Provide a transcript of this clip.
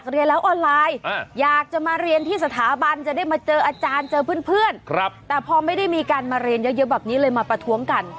เรียนแล้วออนไลน์อยากจะมาเรียนที่สถาบันจะได้มาเจออาจารย์เจอเพื่อนแต่พอไม่ได้มีการมาเรียนเยอะแบบนี้เลยมาประท้วงกัน